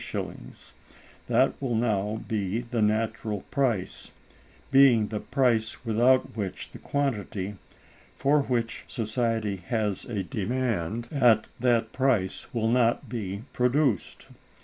_ That will now be the natural price; being the price without which the quantity, for which society has a demand at that price, will not be produced.